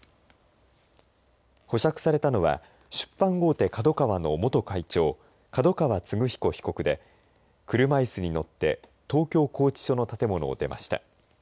保釈されたのは出版大手ＫＡＤＯＫＡＷＡの元会長角川歴彦被告で車いすに乗って東京拘置所の建物を出ました。